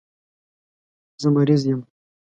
زه مریض یم